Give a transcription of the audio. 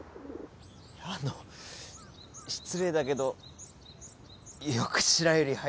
あの失礼だけどよく白百合入れたね。